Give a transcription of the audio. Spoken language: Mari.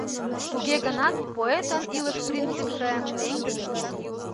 Туге гынат поэтын илыш принципше пеҥгыде лийын.